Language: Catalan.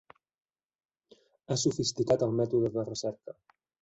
Ha sofisticat el mètode de recerca.